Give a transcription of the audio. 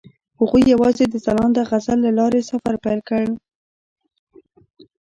هغوی یوځای د ځلانده غزل له لارې سفر پیل کړ.